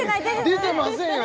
出てませんよ